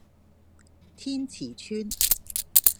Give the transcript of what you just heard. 天慈邨